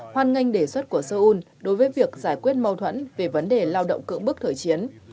hoan nghênh đề xuất của seoul đối với việc giải quyết mâu thuẫn về vấn đề lao động cưỡng bức thời chiến